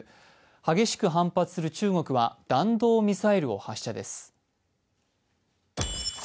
激しく反発する中国は弾道ミサイルを発射です。